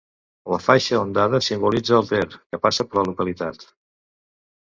La faixa ondada simbolitza el Ter, que passa per la localitat.